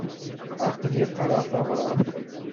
Aql-i qqareɣ tabrat.